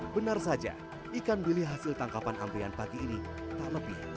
benar saja ikan bilik hasil tangkapan amriah pagi ini tak lebih dari satu kg